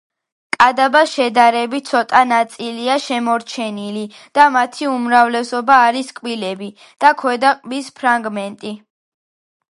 კადაბას შედარებით ცოტა ნაწილია შემორჩენილი და მათი უმრავლესობა არის კბილები და ქვედა ყბის ფრაგმენტები.